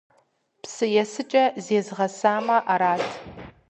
Псы есыкӏэ зезгъэсамэ арат!